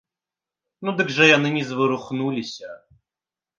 Ну дык жа яны не зварухнуліся.